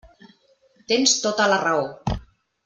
Tens tota la raó.